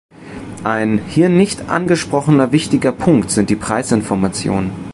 Ein hier nicht angesprochener wichtiger Punkt sind die Preisinformationen.